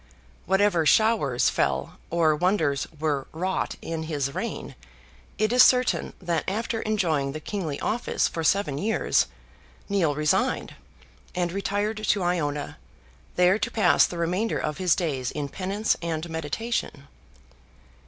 Whatever "showers" fell or wonders were wrought in his reign, it is certain that after enjoying the kingly office for seven years, Nial resigned, and retired to Iona, there to pass the remainder of his days in penance and meditation.